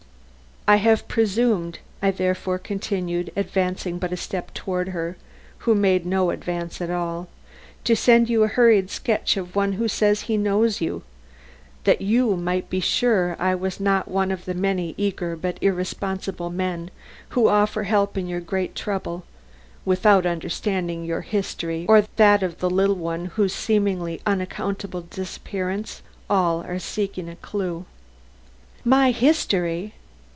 "I have presumed," I therefore continued, advancing but a step toward her who made no advance at all, "to send you a hurried sketch of one who says he knows you, that you might be sure I was not one of the many eager but irresponsible men who offer help in your great trouble without understanding your history or that of the little one to whose seemingly unaccountable disappearance all are seeking a clue." "My history!"